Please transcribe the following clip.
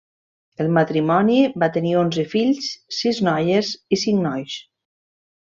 El matrimoni va tenir onze fills, sis noies i cinc nois.